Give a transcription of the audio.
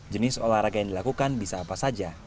jenis olahraga yang dilakukan bisa apa saja